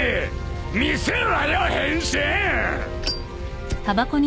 見せろよ変身！